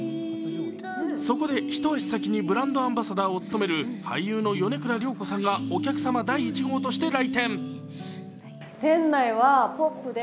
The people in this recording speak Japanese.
そこで一足先にブランドアンバサダーを務める俳優の米倉涼子さんがお客様第１号として来店。